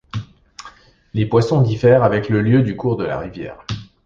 Les poissons diffèrent avec le lieu du cours de la rivière.